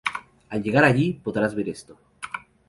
Al llegar allí podrás ver esto.